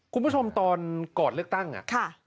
คุณผู้ชมสมมุติอ่ะค่ะ